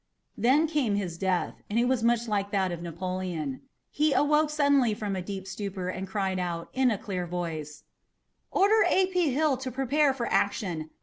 Then came his death, and it was much like that of Napoleon. He awoke suddenly from a deep stupor and cried out, in a clear voice: "Order A. P. Hill to prepare for action!